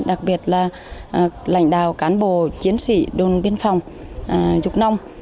đặc biệt là lãnh đạo cán bộ chiến sĩ đồn biên phòng dục nông